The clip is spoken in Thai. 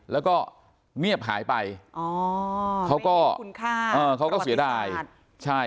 แล้วก็เงียบหายไปเขาก็เสียดาย